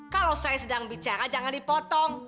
kalau saya sedang bicara jangan dipotong